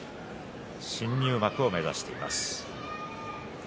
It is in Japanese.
新入幕を目指しています。